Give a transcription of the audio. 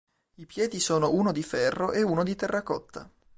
I piedi sono uno di ferro e uno di terracotta.